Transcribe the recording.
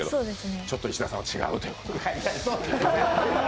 ちょっと石田さんは違うということで。